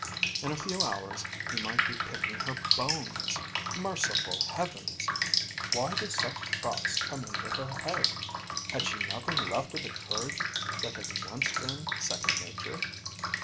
In a few hours he might be picking her bones! Merciful Heavens! Why did such thoughts come into her head? Had she nothing left of the courage that had once been second nature?